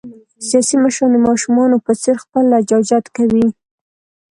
سیاسي مشران د ماشومان په څېر خپل لجاجت کوي.